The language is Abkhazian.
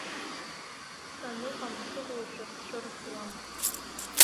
Саныҟам сыҟоушәа сцәырҵуам.